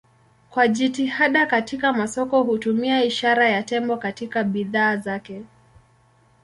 Kwa jitihada katika masoko hutumia ishara ya tembo katika bidhaa zake.